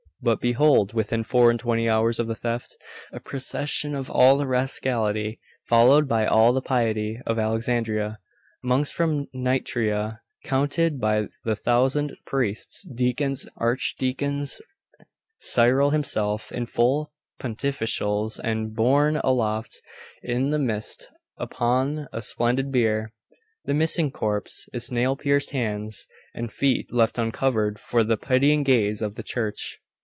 But, behold! within four and twenty hours of the theft, a procession of all the rascality, followed by all the piety, of Alexandria, monks from Nitria counted by the thousand, priests, deacons, archdeacons, Cyril himself, in full pontificals, and borne aloft in the midst, upon a splendid bier, the missing corpse, its nail pierced hands and feet left uncovered for the pitying gaze of the Church.